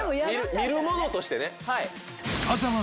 見るものとしてね。